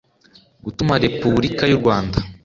gutuma repubulika y u rwanda